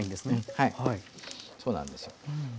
うんはいそうなんですよ。